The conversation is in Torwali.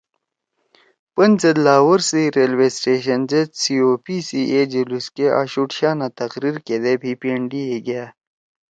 پن زید لاہور سی ریلوے سٹیشن زید COP سی اے جلوس کے آشُوڑ شانا تقریر کیدے بھی پینڈی ئے گأ